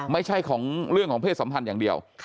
ไม่ใช่ของเรื่องของเพศสัมพันธ์อย่างเดียว